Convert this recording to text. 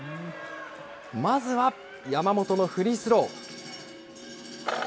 まずは、山本のフリースロー。